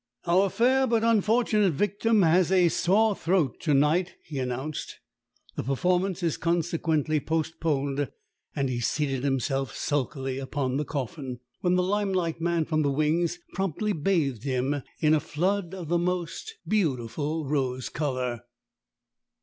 "Our fair but unfortunate victim has a sore throat to night," he announced. "The performance is consequently postponed;" and he seated himself sulkily upon the coffin, when the limelight man from the wings promptly bathed him in a flood of the most beautiful rose colour.